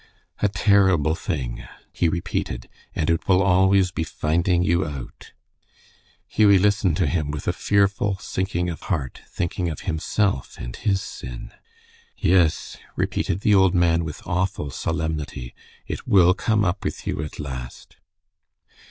"A terrible thing," he repeated, "and it will always be finding you out." Hughie listened to him with a fearful sinking of heart, thinking of himself and his sin. "Yes," repeated the old man, with awful solemnity, "it will come up with you at last."